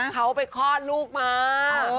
เขาไปคลอดลูกมา